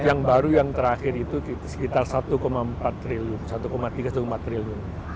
yang baru yang terakhir itu sekitar satu empat triliun satu tiga satu empat triliun